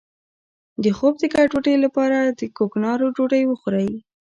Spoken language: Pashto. د خوب د ګډوډۍ لپاره د کوکنارو ډوډۍ وخورئ